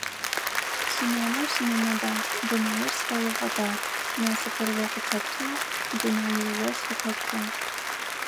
Синанэу синэнэ дах, дунаир сфэогъэдах, насыпыр о къысэптыгъ, дунаир о сфыхэпхыгъ.